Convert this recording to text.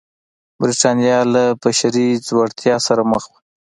برېټانیا له بشپړې ځوړتیا سره مخ وه.